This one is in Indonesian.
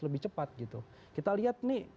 lebih cepat gitu kita lihat nih